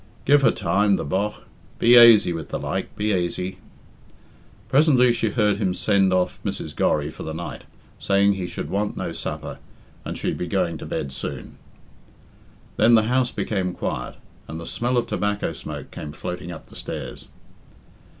"Give her time, the bogh! Be aisy with the like, be aisy." Presently she heard him send off Mrs. Gorry for the night, saying he should want no supper, and should be going to bed soon. Then the house became quiet, and the smell of tobacco smoke came floating up the stairs.